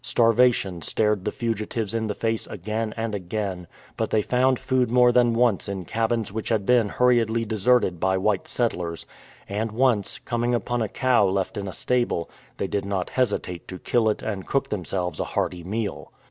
Starvation stared the fugitives in the face again and again, but they found food more than once in cabins which had been hurriedly deserted by white settlers, and once, coming upon a cow left in a stable, they did not hesitate to kill it and cook themselves a hearty meal.